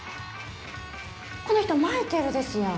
この人マイケルですやん。